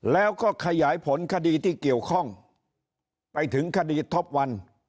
แล้วก็ขยายผลคดีที่เกี่ยวข้องไปถึงคดีท็อปวัน